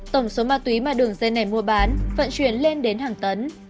tổng số ma túy mà đường dây này mua bán vận chuyển lên đến hàng tấn